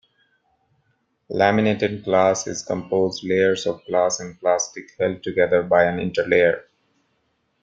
Laminated glass is composed layers of glass and plastic held together by an interlayer.